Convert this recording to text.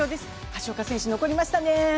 橋岡選手残りましたね。